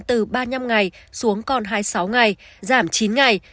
từ ba mươi năm ngày xuống còn hai mươi sáu ngày giảm chín ngày